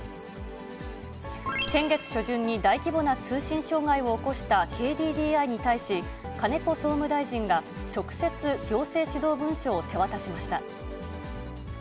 先月初旬に大規模な通信障害を起こしたＫＤＤＩに対し、金子総務大臣が、直接、行政指導文書を手渡しました。